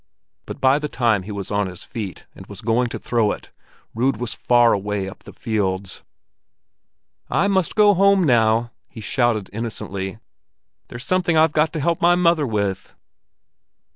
But by the time he was on his feet and was going to throw it, Rud was far away up the fields. "I must go home now!" he shouted innocently. "There's something I've got to help mother with."